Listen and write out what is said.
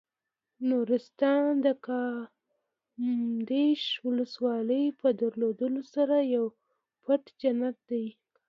نورستان د کامدېش ولسوالۍ په درلودلو سره یو پټ جنت دی.